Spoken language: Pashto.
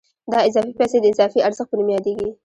دا اضافي پیسې د اضافي ارزښت په نوم یادېږي